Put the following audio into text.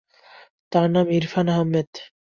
তার নাম ইরফান আহমেদ।